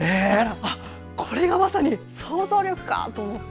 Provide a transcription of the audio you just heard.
これがまさに想像力か！と思って。